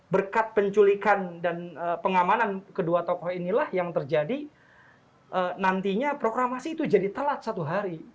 berkat penculikan dan pengamanan kedua tokoh inilah yang terjadi nantinya proklamasi itu jadi telat satu hari